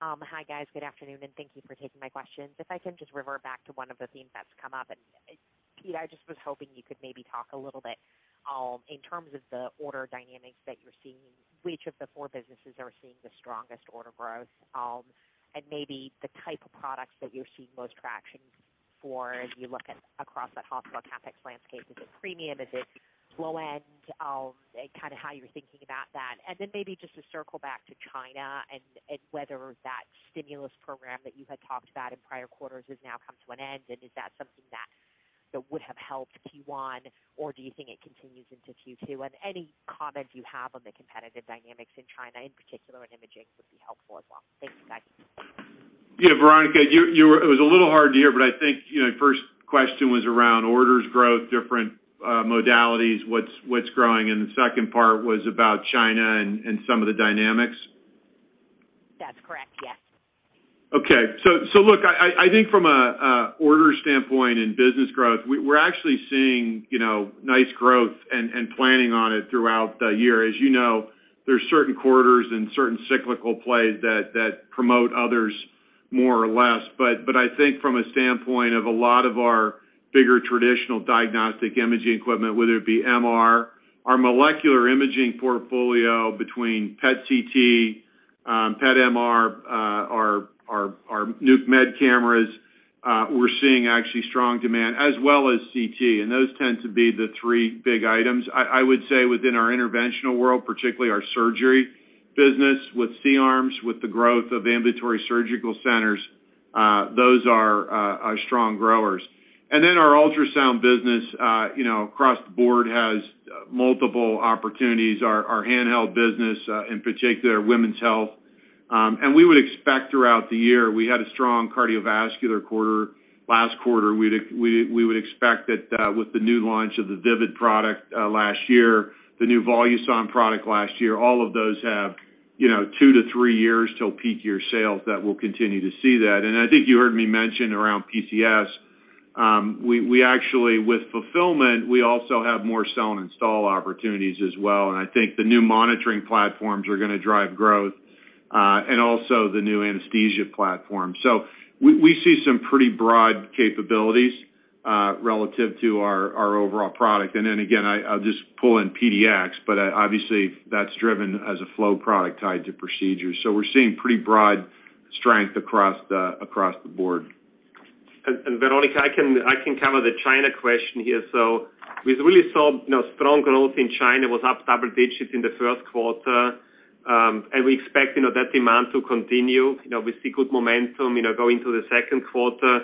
Hi, guys. Good afternoon, and thank you for taking my questions. If I can just revert back to one of the themes that's come up, Pete, I just was hoping you could maybe talk a little bit in terms of the order dynamics that you're seeing, which of the four businesses are seeing the strongest order growth? Maybe the type of products that you're seeing most traction for as you look at across that hospital CapEx landscape, is it premium? Is it low end? Kind of how you're thinking about that. Maybe just to circle back to China and whether that stimulus program that you had talked about in prior quarters has now come to an end, and is that something that would have helped Q1, or do you think it continues into Q2? Any comment you have on the competitive dynamics in China in particular in imaging would be helpful as well. Thank you, guys. Yeah, Veronika, you, it was a little hard to hear, but I think, you know, first question was around orders growth, different modalities, what's growing, and the second part was about China and some of the dynamics. That's correct, yes. Okay. Look, I think from a order standpoint and business growth, we're actually seeing, you know, nice growth and planning on it throughout the year. As you know, there's certain quarters and certain cyclical plays that promote others more or less. I think from a standpoint of a lot of our bigger traditional diagnostic imaging equipment, whether it be MR, our molecular imaging portfolio between PET/CT, PET/MR, our Nuc Med cameras, we're actually seeing strong demand as well as CT, and those tend to be the three big items. I would say within our interventional world, particularly our surgery business with C-arms, with the growth of ambulatory surgical centers, those are strong growers. Our ultrasound business, you know, across the board has multiple opportunities, our handheld business, in particular women's health. We would expect throughout the year, we had a strong cardiovascular quarter last quarter. We would expect that with the new launch of the Vivid product last year, the new Voluson product last year, all of those have, you know, two to three years till peak year sales that we'll continue to see that. I think you heard me mention around PCS, we actually, with fulfillment, we also have more sell and install opportunities as well, and I think the new monitoring platforms are gonna drive growth and also the new anesthesia platform. We see some pretty broad capabilities relative to our overall product. Again, I'll just pull in PDX, obviously, that's driven as a flow product tied to procedures. We're seeing pretty broad strength across the board. Veronika, I can cover the China question here. We've really saw, you know, strong growth in China. It was up double digits in the first quarter, and we expect, you know, that demand to continue. You know, we see good momentum, you know, going through the second quarter.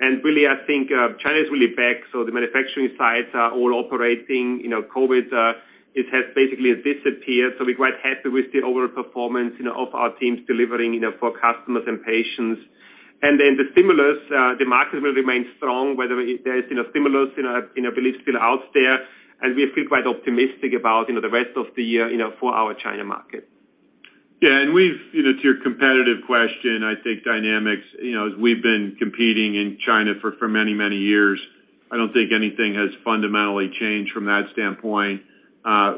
Really, I think China is really back, so the manufacturing sites are all operating. You know, COVID, it has basically disappeared, so we're quite happy with the overall performance, you know, of our teams delivering, you know, for customers and patients. The stimulus, the market will remain strong, whether there is, you know, stimulus, you know, beliefs still out there, and we feel quite optimistic about, you know, the rest of the year, you know, for our China market. Yeah, we've, you know, to your competitive question, I think dynamics, you know, as we've been competing in China for many years, I don't think anything has fundamentally changed from that standpoint.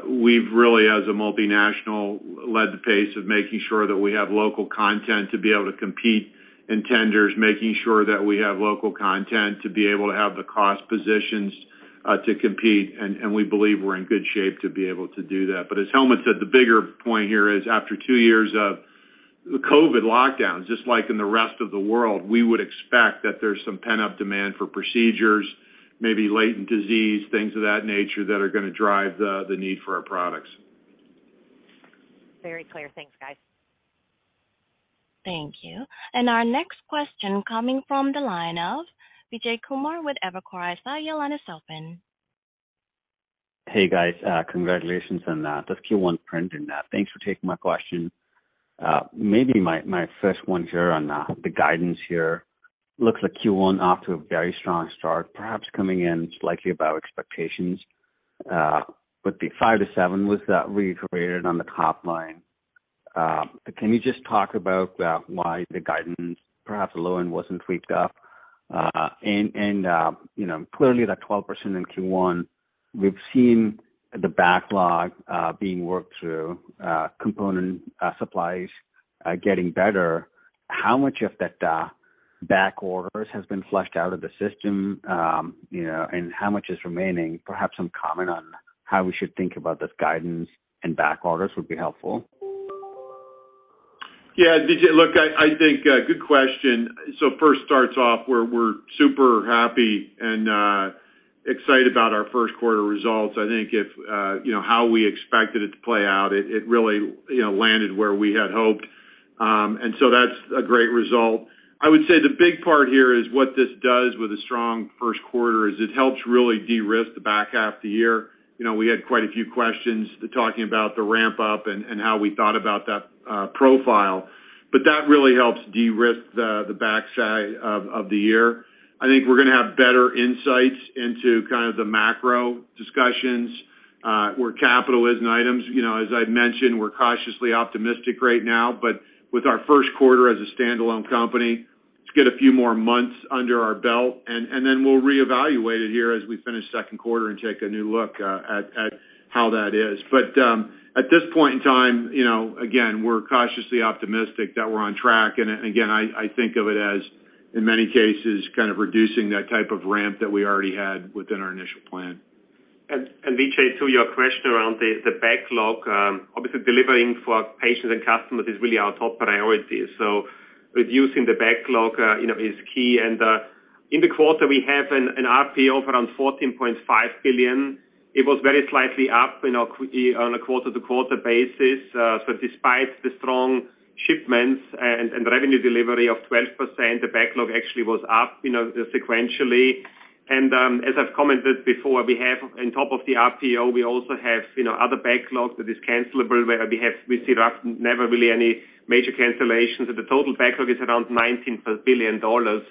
We've really, as a multinational, led the pace of making sure that we have local content to be able to compete in tenders, making sure that we have local content to be able to have the cost positions to compete, and we believe we're in good shape to be able to do that. As Helmut said, the bigger point here is after two years of the COVID lockdowns, just like in the rest of the world, we would expect that there's some pent-up demand for procedures, maybe latent disease, things of that nature that are gonna drive the need for our products. Very clear. Thanks, guys. Thank you. Our next question coming from the line of Vijay Kumar with Evercore ISI. Your line is open. Hey, guys, congratulations on this Q1 print, and thanks for taking my question. Maybe my first one here on the guidance here. Looks like Q1 off to a very strong start, perhaps coming in slightly above expectations. With the five to 7%, was that reiterated on the top line? Can you just talk about why the guidance perhaps low-end wasn't tweaked up? You know, clearly that 12% in Q1, we've seen the backlog being worked through, component supplies getting better. How much of that backorders has been flushed out of the system, you know, and how much is remaining? Perhaps some comment on how we should think about this guidance and backorders would be helpful. Vijay, look, I think good question. First starts off, we're super happy and excited about our first quarter results. I think if, you know, how we expected it to play out, it really, you know, landed where we had hoped. That's a great result. I would say the big part here is what this does with a strong first quarter is it helps really de-risk the back half of the year. You know, we had quite a few questions talking about the ramp-up and how we thought about that profile. That really helps de-risk the backside of the year. I think we're gonna have better insights into kind of the macro discussions, where capital is in items. You know, as I'd mentioned, we're cautiously optimistic right now. With our first quarter as a standalone company, let's get a few more months under our belt, and then we'll reevaluate it here as we finish second quarter and take a new look at how that is. At this point in time, you know, again, we're cautiously optimistic that we're on track. Again, I think of it as, in many cases, kind of reducing that type of ramp that we already had within our initial plan. Vijay, to your question around the backlog, obviously delivering for patients and customers is really our top priority. Reducing the backlog, you know, is key. In the quarter, we have an RPO of around $14.5 billion. It was very slightly up, you know, on a quarter-to-quarter basis. Despite the strong shipments and revenue delivery of 12%, the backlog actually was up, you know, sequentially. As I've commented before, we have on top of the RPO, we also have, you know, other backlogs that is cancelable, where we see that never really any major cancellations. The total backlog is around $19 billion, you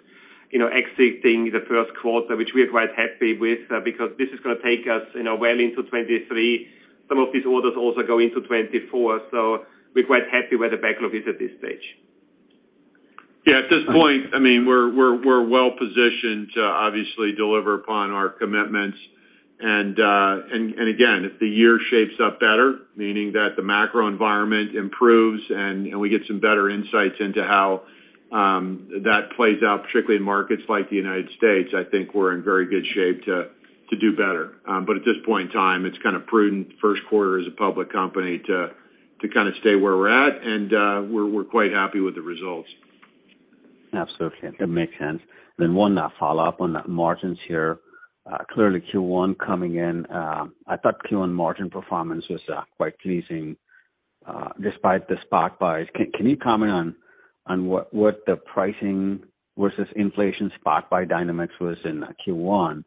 know, exiting the first quarter, which we are quite happy with, because this is gonna take us, you know, well into 2023. Some of these orders also go into 2024. We're quite happy where the backlog is at this stage. Yeah. At this point, I mean, we're well positioned to obviously deliver upon our commitments. Again, if the year shapes up better, meaning that the macro environment improves and we get some better insights into how that plays out, particularly in markets like the United States, I think we're in very good shape to do better. At this point in time, it's kind of prudent, first quarter as a public company to kind of stay where we're at, and we're quite happy with the results. Absolutely. That makes sense. One follow-up on the margins here. Clearly Q1 coming in, I thought Q1 margin performance was quite pleasing, despite the spot buys. Can you comment on what the pricing versus inflation spot buy dynamics was in Q1?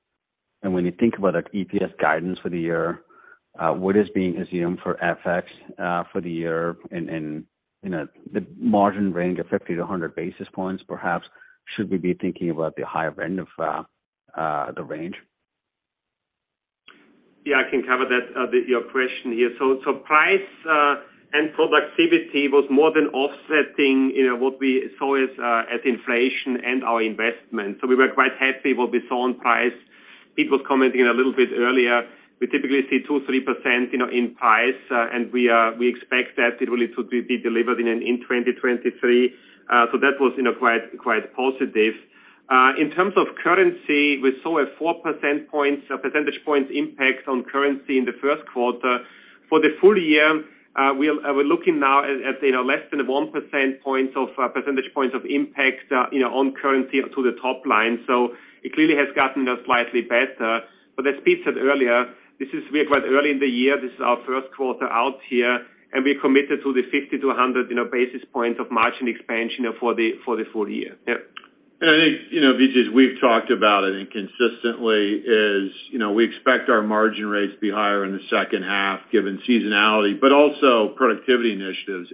When you think about, like, EPS guidance for the year, what is being assumed for FX for the year and, you know, the margin range of 50 to 100 basis points perhaps? Should we be thinking about the higher end of the range? Yeah, I can cover that, your question here. Price and productivity was more than offsetting, you know, what we saw as inflation and our investment. We were quite happy what we saw on price. Pete was commenting a little bit earlier, we typically see two,3%, you know, in price, and we expect that it will be delivered in 2023. That was, you know, quite positive. In terms of currency, we saw a four percentage points impact on currency in the first quarter. For the full year, we're looking now at, you know, less than 1 percentage points of impact, you know, on currency to the top line. It clearly has gotten slightly better. As Pete said earlier, we are quite early in the year. This is our first quarter out here, we're committed to the 50-100, you know, basis points of margin expansion, you know, for the full year. Yeah. I think, you know, Vijay, as we've talked about it and consistently is, you know, we expect our margin rates to be higher in the second half given seasonality, but also productivity initiatives.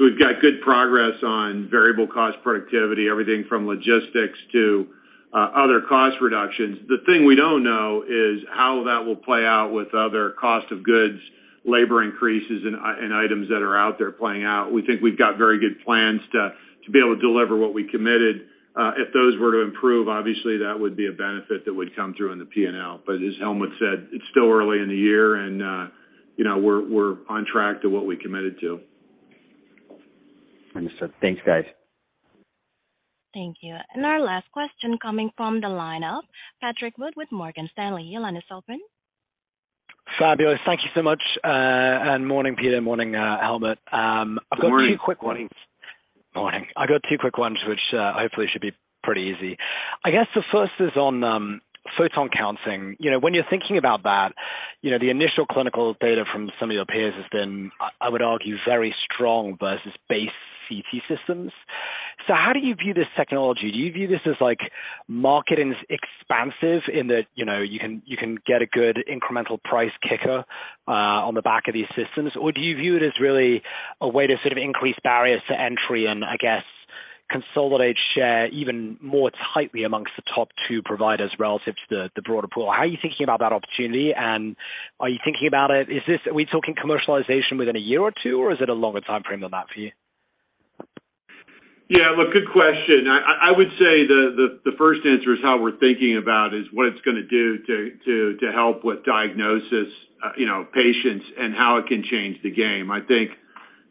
We've got good progress on variable cost productivity, everything from logistics to other cost reductions. The thing we don't know is how that will play out with other cost of goods, labor increases, and items that are out there playing out. We think we've got very good plans to be able to deliver what we committed. If those were to improve, obviously, that would be a benefit that would come through in the P&L. As Helmut said, it's still early in the year and, you know, we're on track to what we committed to. Understood. Thanks, guys. Thank you. Our last question coming from the line of Patrick Wood with Morgan Stanley. Your line is open. Fabulous. Thank you so much. Morning, Peter. Morning, Helmut. I've got two quick ones. Morning. Morning. I got two quick ones, which, hopefully should be pretty easy. I guess the first is on Photon counting. You know, when you're thinking about that, you know, the initial clinical data from some of your peers has been, I would argue, very strong versus base CT systems. How do you view this technology? Do you view this as like marketing's expansive in that, you know, you can get a good incremental price kicker on the back of these systems? Or do you view it as really a way to sort of increase barriers to entry and I guess consolidate share even more tightly amongst the top two providers relative to the broader pool? How are you thinking about that opportunity, and are you thinking about it. Are we talking commercialization within a year or two, or is it a longer timeframe than that for you? Yeah. Look, good question. I would say the first answer is how we're thinking about is what it's gonna do to help with diagnosis, you know, patients and how it can change the game. I think,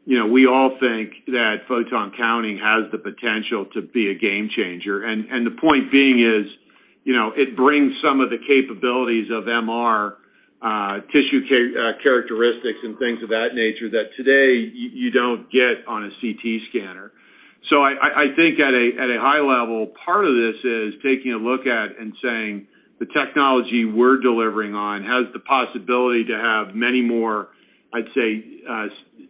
you know, we all think that Photon counting has the potential to be a game changer. The point being is, you know, it brings some of the capabilities of MR, tissue characteristics and things of that nature that today you don't get on a CT scanner. I think at a high level, part of this is taking a look at and saying the technology we're delivering on has the possibility to have many more, I'd say,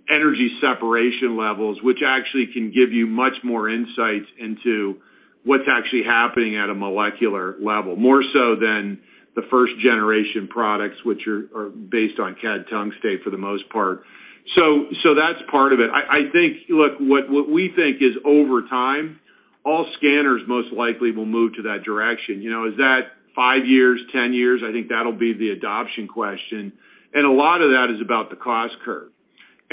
energy separation levels, which actually can give you much more insights into what's actually happening at a molecular level, more so than the first generation products which are based on Cad-tungstate for the most part. That's part of it. I think, look, what we think is over time, all scanners most likely will move to that direction. You know, is that five years, 10 years? I think that'll be the adoption question. A lot of that is about the cost curve.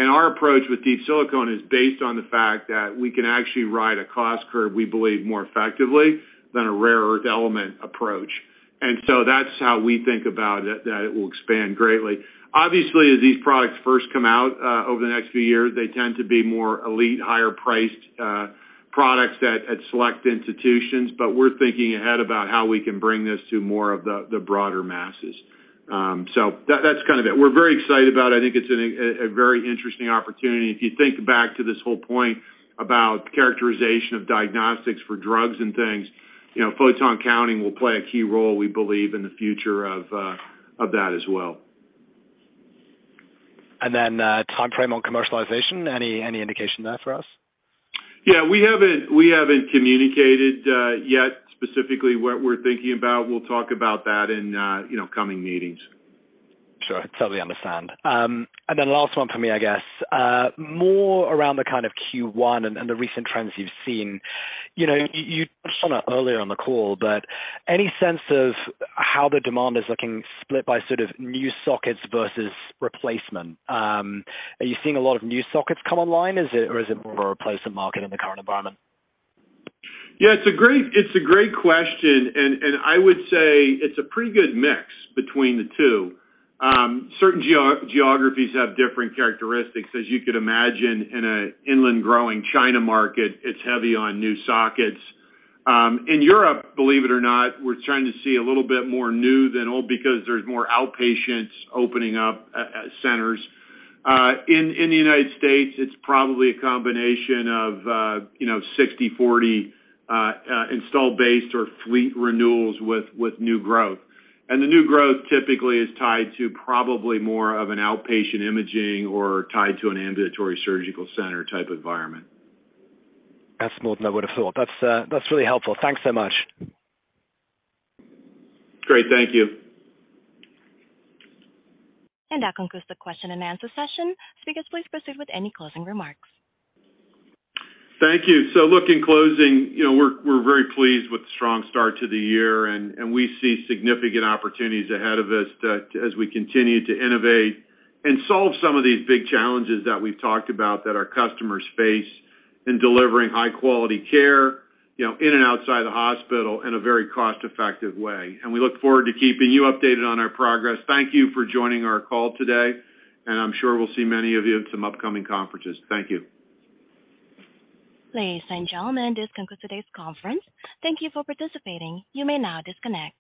Our approach with Deep Silicon is based on the fact that we can actually ride a cost curve, we believe, more effectively than a rare earth element approach. That's how we think about it, that it will expand greatly. Obviously, as these products first come out, over the next few years, they tend to be more elite, higher priced products at select institutions, but we're thinking ahead about how we can bring this to more of the broader masses. That's kind of it. We're very excited about it. I think it's a very interesting opportunity. If you think back to this whole point about characterization of diagnostics for drugs and things, you know, Photon counting CT will play a key role, we believe, in the future of that as well. Then, timeframe on commercialization, any indication there for us? Yeah. We haven't communicated yet specifically what we're thinking about. We'll talk about that in you know, coming meetings. Sure. Totally understand. Then last one for me, I guess. More around the kind of Q1 and the recent trends you've seen. You know, you touched on it earlier on the call, but any sense of how the demand is looking split by sort of new sockets versus replacement? Are you seeing a lot of new sockets come online? Or is it more of a replacement market in the current environment? Yeah, it's a great question. I would say it's a pretty good mix between the two. Certain geographies have different characteristics. As you could imagine, in a inland growing China market, it's heavy on new sockets. In Europe, believe it or not, we're starting to see a little bit more new than old because there's more outpatients opening up centers. In the United States, it's probably a combination of, you know, 60/40, install based or fleet renewals with new growth. The new growth typically is tied to probably more of an outpatient imaging or tied to an ambulatory surgical center type environment. That's more than I would've thought. That's, that's really helpful. Thanks so much. Great. Thank you. That concludes the question and answer session. Speakers, please proceed with any closing remarks. Thank you. Look, in closing, you know, we're very pleased with the strong start to the year, and we see significant opportunities ahead of us that as we continue to innovate and solve some of these big challenges that we've talked about that our customers face in delivering high quality care, you know, in and outside the hospital in a very cost effective way. We look forward to keeping you updated on our progress. Thank you for joining our call today. I'm sure we'll see many of you at some upcoming conferences. Thank you. Ladies and gentlemen, this concludes today's conference. Thank you for participating. You may now disconnect.